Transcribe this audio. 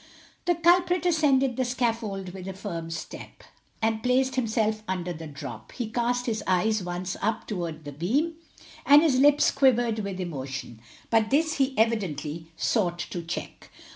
The culprit ascended the scaffold with a firm step, and placed himself under the drop. He cast his eyes once up towards the beam, and his lips quivered with emotion, but this he evidently sought to check.